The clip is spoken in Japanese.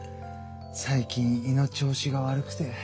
最近胃の調子が悪くて。